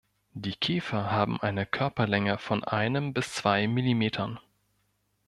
Die Käfer haben eine Körperlänge von einem bis zwei Millimetern.